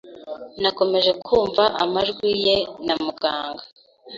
Nakomeje kumva amajwi ye na muganga